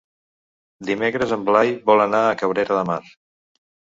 Dimecres en Blai vol anar a Cabrera de Mar.